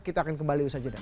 kita akan kembali usaha jeda